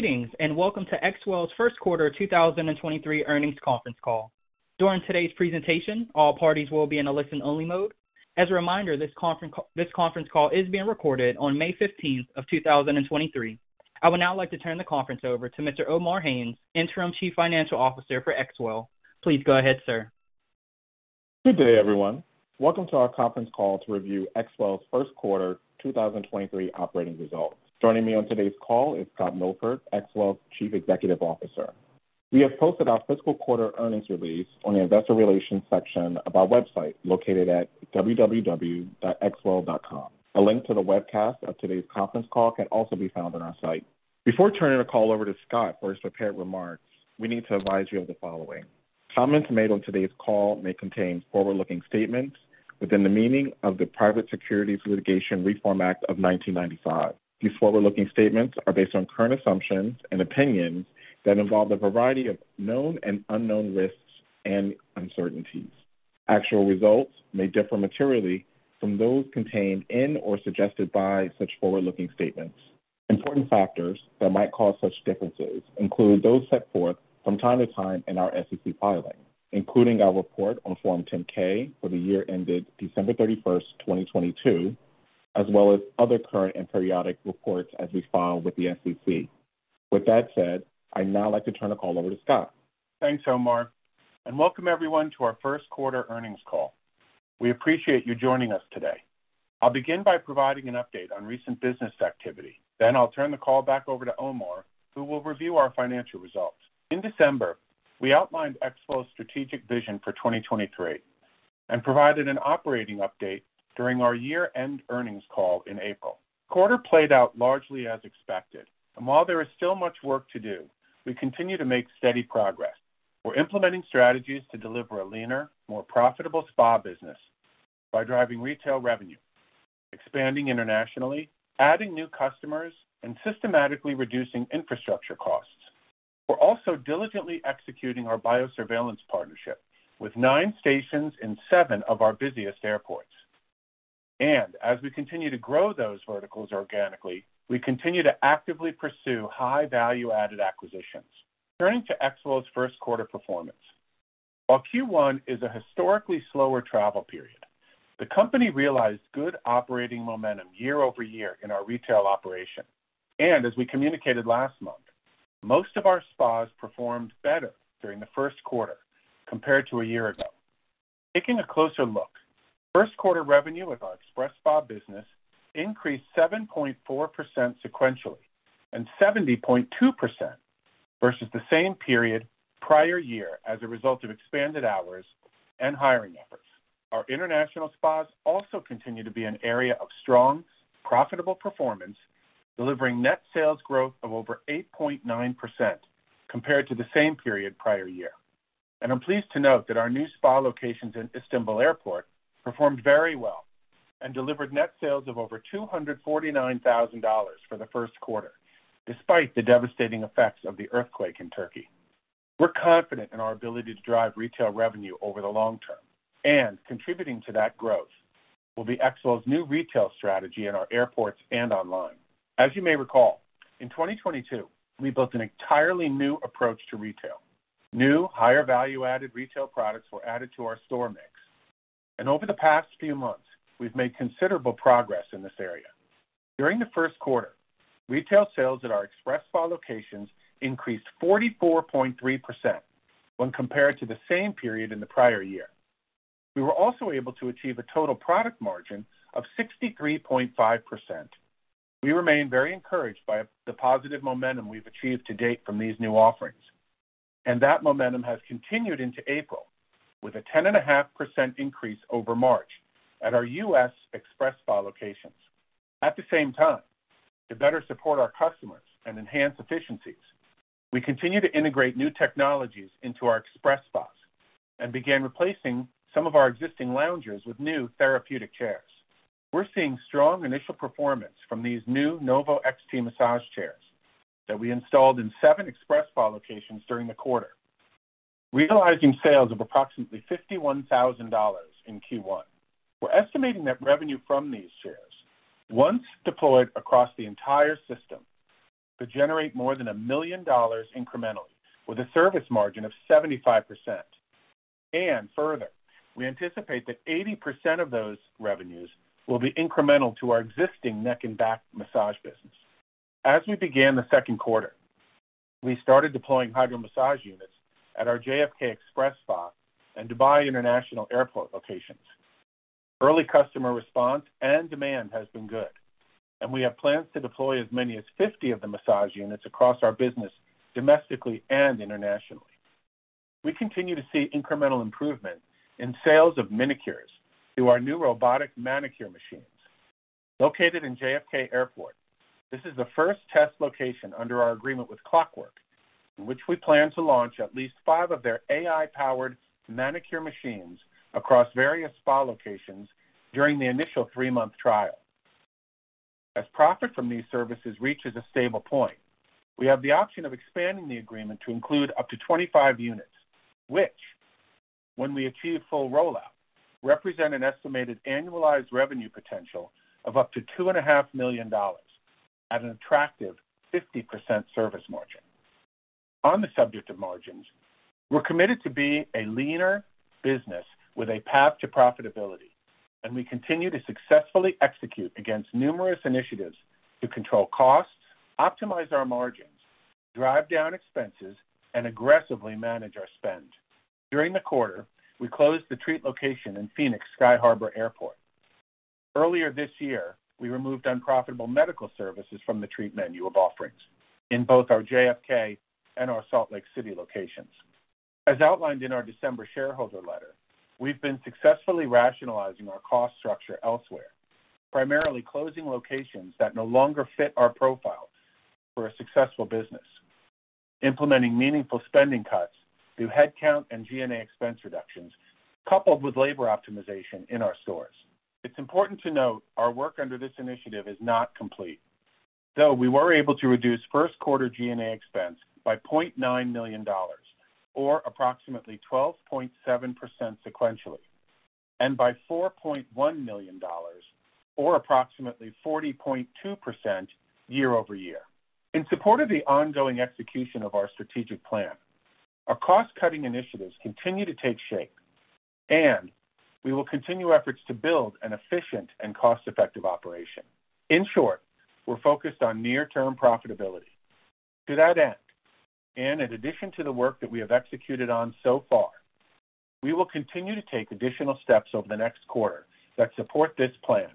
Greetings, welcome to XWELL's first quarter 2023 earnings conference call. During today's presentation, all parties will be in a listen-only mode. As a reminder, this conference call is being recorded on May 15th of 2023. I would now like to turn the conference over to Mr. Omar Haynes, Interim Chief Financial Officer for XWELL. Please go ahead, sir. Good day, everyone. Welcome to our conference call to review XWELL's first-quarter 2023 operating results. Joining me on today's call is Scott Milford, XWELL's Chief Executive Officer. We have posted our fiscal quarter earnings release on the investor relations section of our website, located at www.xwell.com. A link to the webcast of today's conference call can also be found on our site. Before turning the call over to Scott for his prepared remarks, we need to advise you of the following. Comments made on today's call may contain forward-looking statements within the meaning of the Private Securities Litigation Reform Act of 1995. These forward-looking statements are based on current assumptions and opinions that involve a variety of known and unknown risks and uncertainties. Actual results may differ materially from those contained in or suggested by such forward-looking statements. Important factors that might cause such differences include those set forth from time to time in our SEC filings, including our report on Form 10-K for the year ended December 31st, 2022, as well as other current and periodic reports as we file with the SEC. With that said, I'd now like to turn the call over to Scott. Thanks, Omar, welcome everyone to our first quarter earnings call. We appreciate you joining us today. I'll begin by providing an update on recent business activity. I'll turn the call back over to Omar, who will review our financial results. In December, we outlined XWELL's strategic vision for 2023 and provided an operating update during our year-end earnings call in April. Quarter played out largely as expected. While there is still much work to do, we continue to make steady progress. We're implementing strategies to deliver a leaner, more profitable spa business by driving retail revenue, expanding internationally, adding new customers, and systematically reducing infrastructure costs. We're also diligently executing our biosurveillance partnership with nine stations in seven of our busiest airports. As we continue to grow those verticals organically, we continue to actively pursue high-value-added acquisitions. Turning to XWELL's first-quarter performance. While Q1 is a historically slower travel period, the company realized good operating momentum year-over-year in our retail operation. As we communicated last month, most of our spas performed better during the first quarter compared to a year ago. Taking a closer look, first-quarter revenue at our XpresSpa business increased 7.4% sequentially and 70.2% versus the same period prior year as a result of expanded hours and hiring efforts. Our international spas also continue to be an area of strong, profitable performance, delivering net sales growth of over 8.9% compared to the same period prior year. I'm pleased to note that our new spa locations in Istanbul Airport performed very well and delivered net sales of over $249,000 for the first quarter, despite the devastating effects of the earthquake in Turkey. We're confident in our ability to drive retail revenue over the long term, and contributing to that growth will be XWELL's new retail strategy in our airports and online. As you may recall, in 2022, we built an entirely new approach to retail. New, higher value-added retail products were added to our store mix, and over the past few months, we've made considerable progress in this area. During the first quarter, retail sales at our XpresSpa locations increased 44.3% when compared to the same period in the prior year. We were also able to achieve a total product margin of 63.5%. We remain very encouraged by the positive momentum we've achieved to date from these new offerings, and that momentum has continued into April with a 10.5% increase over March at our U.S. XpresSpa locations. At the same time, to better support our customers and enhance efficiencies, we continue to integrate new technologies into our XpresSpas and began replacing some of our existing loungers with new therapeutic chairs. We're seeing strong initial performance from these new Novo XT massage chairs that we installed in 7 XpresSpa locations during the quarter, realizing sales of approximately $51,000 in Q1. We're estimating that revenue from these chairs, once deployed across the entire system, could generate more than $1 million incrementally with a service margin of 75%. Further, we anticipate that 80% of those revenues will be incremental to our existing neck and back massage business. As we began the second quarter, we started deploying HydroMassage units at our JFK XpresSpa and Dubai International Airport locations. Early customer response and demand has been good. We have plans to deploy as many as 50 of the massage units across our business domestically and internationally. We continue to see incremental improvement in sales of manicures through our new robotic manicure machines located in JFK Airport. This is the first test location under our agreement with Clockwork, in which we plan to launch at least 5 of their AI-powered manicure machines across various spa locations during the initial three-month trial. As profit from these services reaches a stable point, we have the option of expanding the agreement to include up to 25 units, which-When we achieve full rollout, represent an estimated annualized revenue potential of up to two and a half million dollars at an attractive 50% service margin. On the subject of margins, we're committed to be a leaner business with a path to profitability, we continue to successfully execute against numerous initiatives to control costs, optimize our margins, drive down expenses, and aggressively manage our spend. During the quarter, we closed the Treat location in Phoenix Sky Harbor Airport. Earlier this year, we removed unprofitable medical services from the Treat menu of offerings in both our JFK and our Salt Lake City locations. As outlined in our December shareholder letter, we've been successfully rationalizing our cost structure elsewhere, primarily closing locations that no longer fit our profile for a successful business, implementing meaningful spending cuts through headcount and G&A expense reductions, coupled with labor optimization in our stores. It's important to note our work under this initiative is not complete. We were able to reduce first quarter G&A expense by $0.9 million or approximately 12.7% sequentially, and by $4.1 million or approximately 40.2% year-over-year. In support of the ongoing execution of our strategic plan, our cost-cutting initiatives continue to take shape, and we will continue efforts to build an efficient and cost-effective operation. In short, we're focused on near-term profitability. To that end, and in addition to the work that we have executed on so far, we will continue to take additional steps over the next quarter that support this plan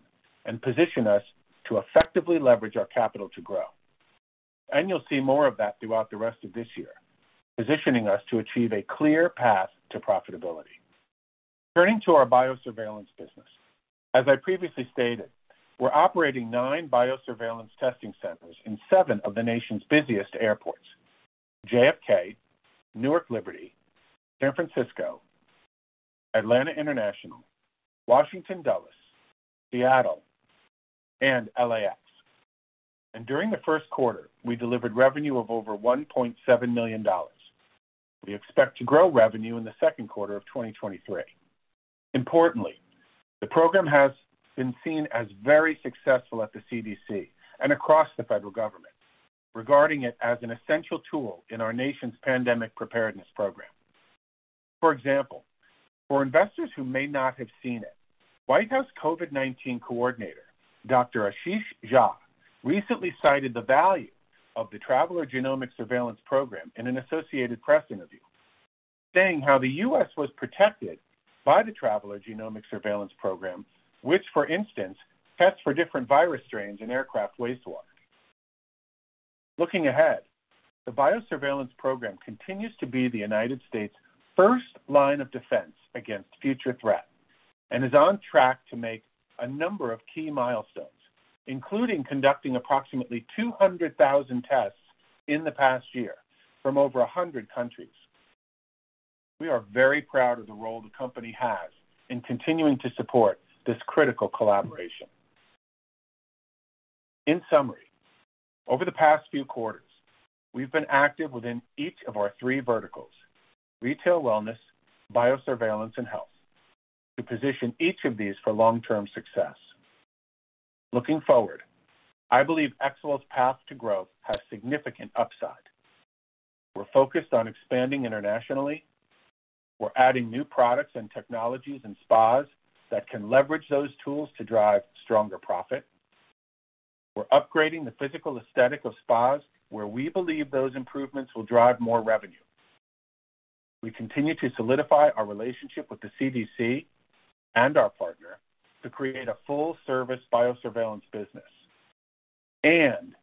and position us to effectively leverage our capital to grow. You'll see more of that throughout the rest of this year, positioning us to achieve a clear path to profitability. Turning to our biosurveillance business. As I previously stated, we're operating nine biosurveillance testing centers in seven of the nation's busiest airports JFK, Newark Liberty, San Francisco, Atlanta International, Washington Dulles, Seattle, and LAX. During the first quarter, we delivered revenue of over $1.7 million. We expect to grow revenue in the second quarter of 2023. Importantly, the program has been seen as very successful at the CDC and across the federal government, regarding it as an essential tool in our nation's pandemic preparedness program. For example, for investors who may not have seen it, White House COVID-19 Response Coordinator, Dr. Ashish Jha, recently cited the value of the Traveler-based Genomic Surveillance program in an Associated Press interview, saying how the US was protected by the Traveler-based Genomic Surveillance program, which for instance, tests for different virus strains in aircraft wastewater. Looking ahead, the biosurveillance program continues to be the United States first line of defense against future threats, and is on track to make a number of key milestones, including conducting approximately 200,000 tests in the past year from over 100 countries. We are very proud of the role the company has in continuing to support this critical collaboration. In summary, over the past few quarters, we've been active within each of our three verticals retail, wellness, biosurveillance, and health to position each of these for long-term success. Looking forward, I believe XWELL's path to growth has significant upside. We're focused on expanding internationally. We're adding new products and technologies and spas that can leverage those tools to drive stronger profit. We're upgrading the physical aesthetic of spas where we believe those improvements will drive more revenue. We continue to solidify our relationship with the CDC and our partner to create a full-service biosurveillance business, and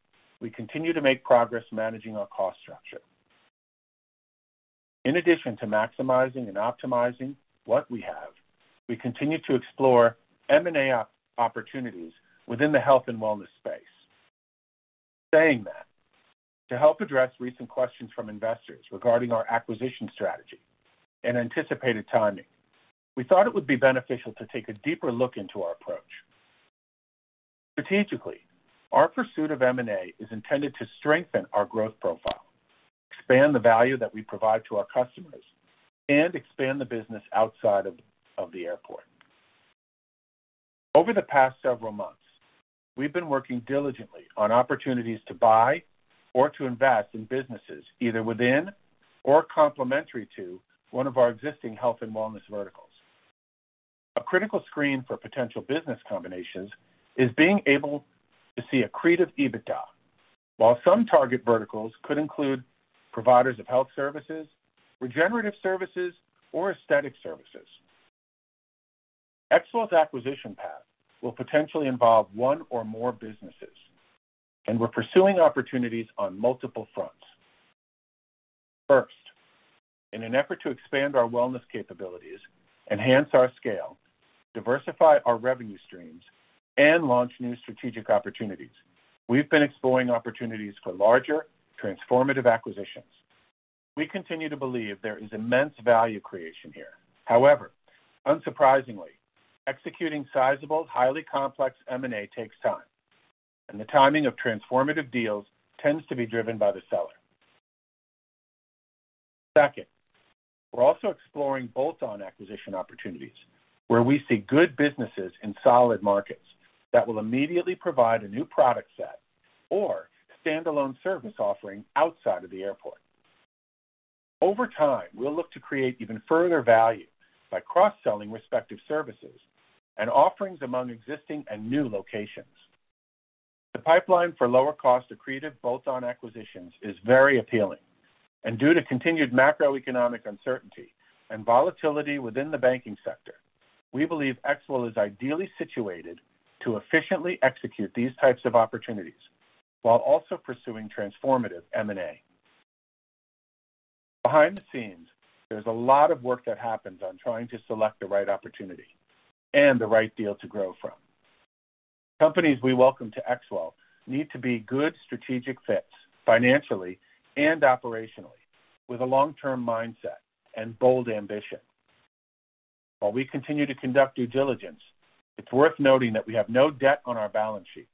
we continue to make progress managing our cost structure. In addition to maximizing and optimizing what we have, we continue to explore M&A opportunities within the health and wellness space. Saying that, to help address recent questions from investors regarding our acquisition strategy and anticipated timing, we thought it would be beneficial to take a deeper look into our approach. Strategically, our pursuit of M&A is intended to strengthen our growth profile, expand the value that we provide to our customers, and expand the business outside of the airport. Over the past several months, we've been working diligently on opportunities to buy or to invest in businesses either within or complementary to one of our existing health and wellness verticals. A critical screen for potential business combinations is being able to see accretive EBITDA. While some target verticals could include providers of health services, regenerative services, or aesthetic services. XWELL's acquisition path will potentially involve one or more businesses, and we're pursuing opportunities on multiple fronts. First, in an effort to expand our wellness capabilities, enhance our scale, diversify our revenue streams, and launch new strategic opportunities, we've been exploring opportunities for larger transformative acquisitions. We continue to believe there is immense value creation here. However, unsurprisingly, executing sizable highly complex M&A takes time. The timing of transformative deals tends to be driven by the seller. Second, we're also exploring bolt-on acquisition opportunities where we see good businesses in solid markets that will immediately provide a new product set or standalone service offering outside of the airport. Over time, we'll look to create even further value by cross-selling respective services and offerings among existing and new locations. The pipeline for lower cost accretive bolt-on acquisitions is very appealing. Due to continued macroeconomic uncertainty and volatility within the banking sector, we believe XWELL is ideally situated to efficiently execute these types of opportunities while also pursuing transformative M&A. Behind the scenes, there's a lot of work that happens on trying to select the right opportunity and the right deal to grow from. Companies we welcome to XWELL need to be good strategic fits financially and operationally with a long-term mindset and bold ambition. While we continue to conduct due diligence, it's worth noting that we have no debt on our balance sheet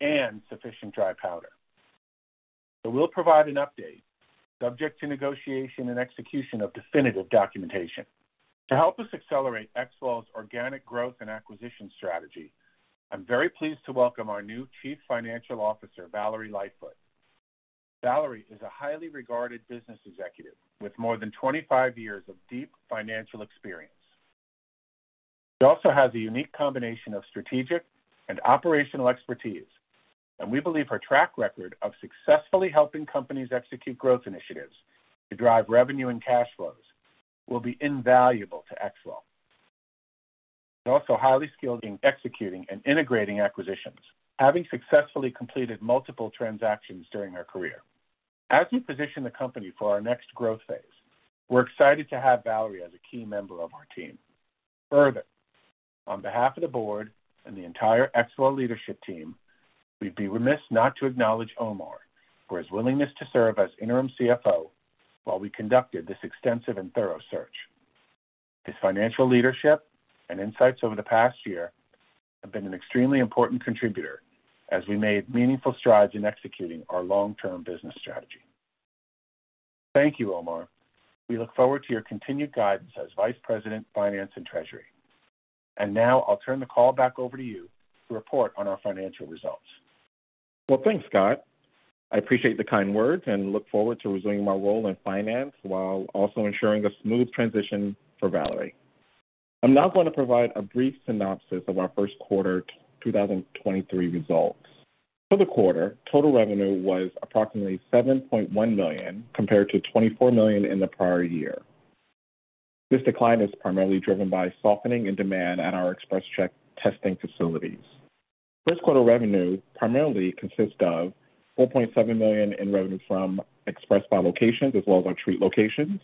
and sufficient dry powder. We'll provide an update subject to negotiation and execution of definitive documentation. To help us accelerate XWELL's organic growth and acquisition strategy, I'm very pleased to welcome our new Chief Financial Officer, Valerie Lightfoot. Valerie is a highly regarded business executive with more than 25 years of deep financial experience. She also has a unique combination of strategic and operational expertise, and we believe her track record of successfully helping companies execute growth initiatives to drive revenue and cash flows will be invaluable to XWELL. She's also highly skilled in executing and integrating acquisitions, having successfully completed multiple transactions during her career. As we position the company for our next growth phase, we're excited to have Valerie as a key member of our team. On behalf of the board and the entire XWELL leadership team, we'd be remiss not to acknowledge Omar for his willingness to serve as interim CFO while we conducted this extensive and thorough search. His financial leadership and insights over the past year have been an extremely important contributor as we made meaningful strides in executing our long-term business strategy. Thank you, Omar. We look forward to your continued guidance as Vice President, Finance and Treasury. Now I'll turn the call back over to you to report on our financial results. Thanks, Scott. I appreciate the kind words and look forward to resuming my role in finance while also ensuring a smooth transition for Valerie. I'm now going to provide a brief synopsis of our first quarter 2023 results. For the quarter, total revenue was approximately $7.1 million, compared to $24 million in the prior year. This decline is primarily driven by softening and demand at our XpresCheck testing facilities. First quarter revenue primarily consists of $4.7 million in revenue from XpresSpa locations as well as our Treat locations,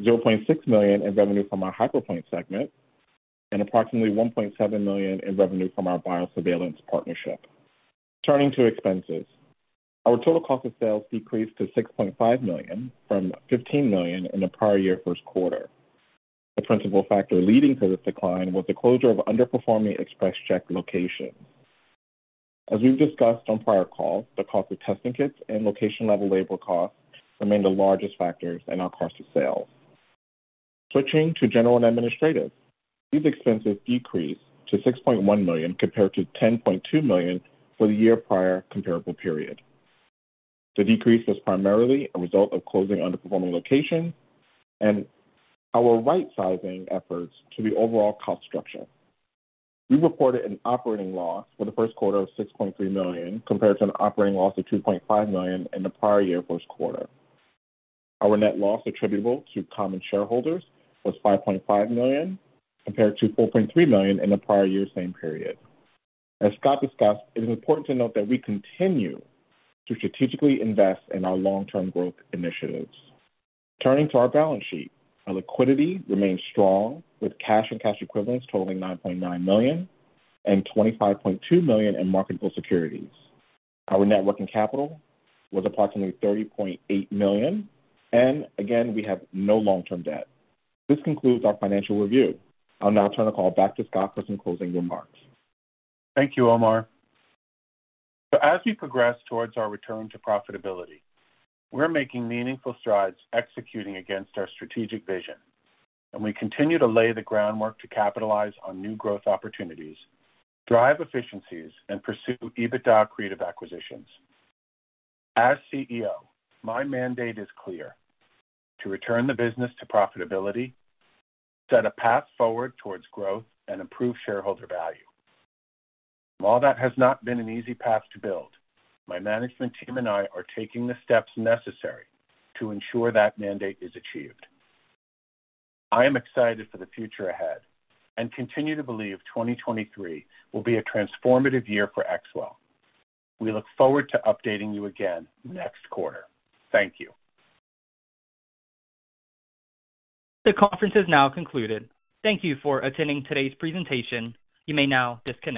$0.6 million in revenue from our HyperPointe segment, and approximately $1.7 million in revenue from our biosurveillance partnership. Turning to expenses. Our total cost of sales decreased to $6.5 million from $15 million in the prior year first quarter. The principal factor leading to this decline was the closure of underperforming XpresCheck locations. As we've discussed on prior calls, the cost of testing kits and location-level labor costs remain the largest factors in our cost of sales. Switching to General and Administrative. These expenses decreased to $6.1 million compared to $10.2 million for the year prior comparable period. The decrease was primarily a result of closing underperforming locations and our right-sizing efforts to the overall cost structure. We reported an operating loss for the first quarter of $6.3 million compared to an operating loss of $2.5 million in the prior year first quarter. Our net loss attributable to common shareholders was $5.5 million compared to $4.3 million in the prior year same period. As Scott discussed, it is important to note that we continue to strategically invest in our long-term growth initiatives. Turning to our balance sheet. Our liquidity remains strong with cash and cash equivalents totaling $9.9 million and $25.2 million in marketable securities. Our net working capital was approximately $30.8 million. Again, we have no long-term debt. This concludes our financial review. I'll now turn the call back to Scott for some closing remarks. Thank you, Omar. As we progress towards our return to profitability, we're making meaningful strides executing against our strategic vision, and we continue to lay the groundwork to capitalize on new growth opportunities, drive efficiencies, and pursue EBITDA accretive acquisitions. As CEO, my mandate is clear: to return the business to profitability, set a path forward towards growth, and improve shareholder value. While that has not been an easy path to build, my management team and I are taking the steps necessary to ensure that mandate is achieved. I am excited for the future ahead and continue to believe 2023 will be a transformative year for XWELL. We look forward to updating you again next quarter. Thank you. This conference is now concluded. Thank you for attending today's presentation. You may now disconnect.